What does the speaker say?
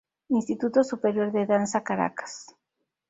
Instituto Superior de Danza, Caracas.